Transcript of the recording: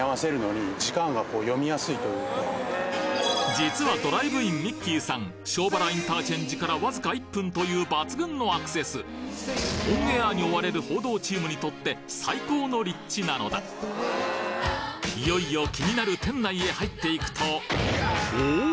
実はドライブインミッキーさん庄原インターチェンジからわずか１分という抜群のアクセスオンエアに追われる報道チームにとって最高の立地なのだいよいよ気になる店内へ入っていくとおお！